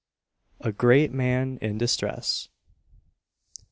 A GREAT MAN IN DISTRESS.